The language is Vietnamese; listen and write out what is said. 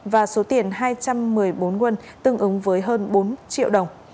và số tiền hai trăm một mươi bốn won tương ứng với hơn bốn triệu đồng